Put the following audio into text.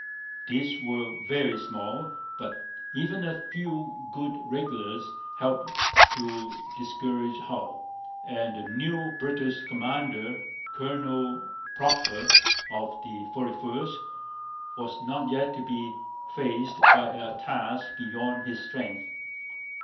These were very small. But even a few good regulars helped to discourage Hull; and the new British commander, Colonel Procter of the 41st, was not yet to be faced by a task beyond his strength.